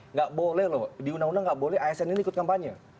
nggak boleh loh di undang undang nggak boleh asn ini ikut kampanye